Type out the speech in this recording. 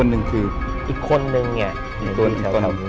อืม